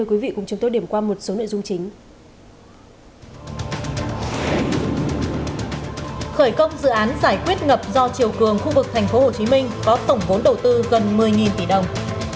khởi công dự án giải quyết ngập do triều cường khu vực tp hcm có tổng vốn đầu tư gần một mươi tỷ đồng